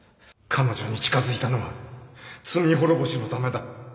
彼女に近づいたのは罪滅ぼしのためだ